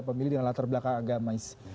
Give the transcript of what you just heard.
pemilih yang latar belakang agamais